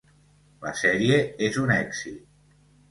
La sèrie és un èxit.